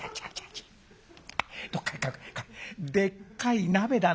どっかへ隠しでっかい鍋だね。